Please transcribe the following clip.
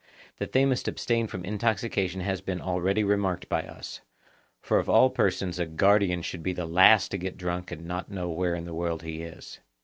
That they must abstain from intoxication has been already remarked by us; for of all persons a guardian should be the last to get drunk and not know where in the world he is.